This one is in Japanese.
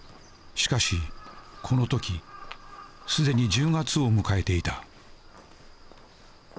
しかしこのときすでに１０月を迎えていた。